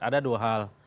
ada dua hal